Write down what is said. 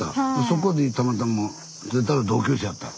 そこでたまたま出会ったら同級生やった。